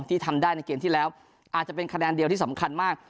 ที่ทำได้ในเกมที่แล้วอาจจะเป็นคะแนนเดียวที่สำคัญมาก